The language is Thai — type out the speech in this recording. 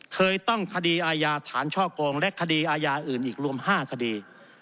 เคยต้องคดีอาญาฐานช่อโกงและคดีอาญาอื่นอีกรวม๕คดี